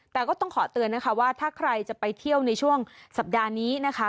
แต่ก็ต้องขอเตือนนะคะว่าถ้าใครจะไปเที่ยวในช่วงสัปดาห์นี้นะคะ